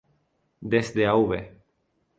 Desde Av.